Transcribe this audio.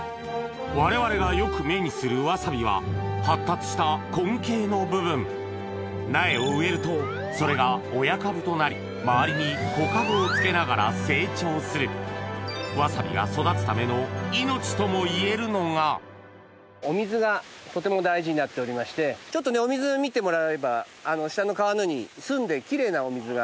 我々がよく目にするわさびは発達した根茎の部分苗を植えるとそれが親株となり周りに子株をつけながら成長するわさびがともいえるのがちょっとお水見てもらえば下の川のように澄んでキレイなお水が。